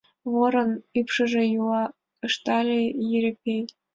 — Ворын упшыжо йӱла! — ыштале Йӧрепей.